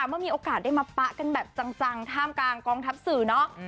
เมื่อมีโอกาสได้มาปะกันแบบจังท่ามกลางกองทัพสื่อเนาะ